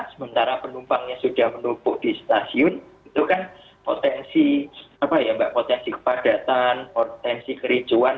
sementara penumpangnya sudah menumpuk di stasiun itu kan potensi kepadatan potensi kericuan